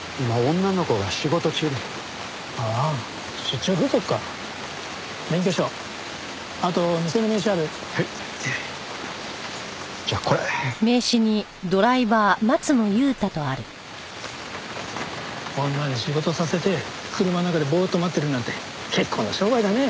女に仕事させて車の中でボーッと待ってるなんて結構な商売だね。